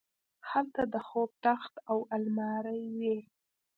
هلته د خوب تخت او المارۍ وې